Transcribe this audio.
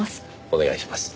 お願いします。